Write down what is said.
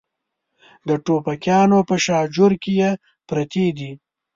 د ټوپکیانو په شاجور کې پرتې دي.